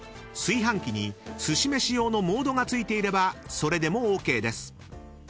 ［炊飯器にすしめし用のモードが付いていればそれでもＯＫです］